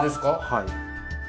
はい。